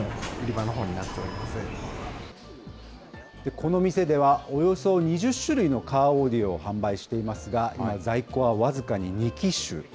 この店では、およそ２０種類のカーオーディオを販売していますが、今、在庫は僅か２機種。